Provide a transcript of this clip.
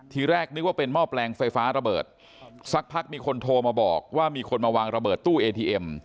ทีแรกนึกว่าเป็นหม้อแปลงไฟฟ้าระเบิดสักพักมีคนโทรมาบอกว่ามีคนมาวางระเบิดตู้เอทีเอ็ม